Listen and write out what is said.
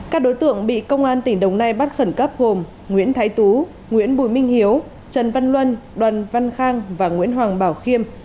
các đối tượng bị công an tỉnh đồng nai bắt khẩn cấp gồm nguyễn thái tú nguyễn bùi minh hiếu trần văn luân đoàn văn khang và nguyễn hoàng bảo khiêm